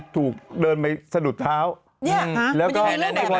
คือพี่ว่ามันมั่วแล้วแหละ